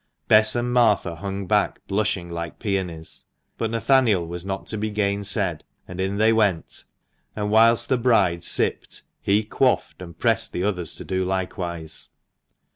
Bess and Martha hung back blushing like peonies ; but Nathaniel was not to be gainsaid, and in they went ; and whilst the brides sipped, he quaffed, and pressed the others to do likewise.